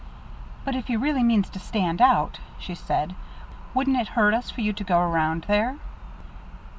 "But if he really means to stand out," she said, "wouldn't it hurt us for you to go around there?"